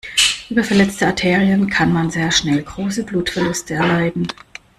Über verletzte Arterien kann man sehr schnell große Blutverluste erleiden.